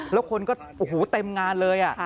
แล้วคนก็เต็มงานเลย